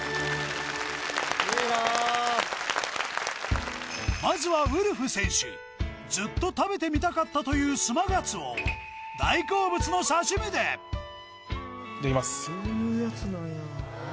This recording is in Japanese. ・いいなまずはウルフ選手ずっと食べてみたかったというスマガツオを大好物の刺し身でいただきます